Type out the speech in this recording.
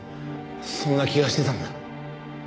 そんな気がしてたんだ。